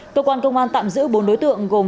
cơ quan công an tạm giữ bốn đối tượng gồm